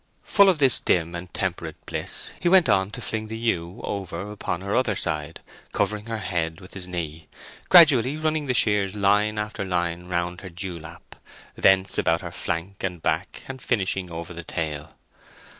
Full of this dim and temperate bliss, he went on to fling the ewe over upon her other side, covering her head with his knee, gradually running the shears line after line round her dewlap; thence about her flank and back, and finishing over the tail.